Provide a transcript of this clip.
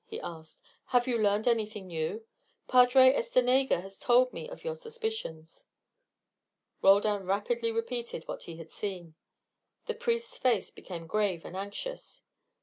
he asked. "Have you learned anything new? Padre Estenega has told me of your suspicions." Roldan rapidly related what he had seen. The priest's face became grave and anxious.